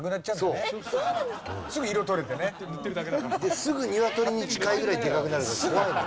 すぐニワトリに近いぐらいでかくなるから怖いのよ。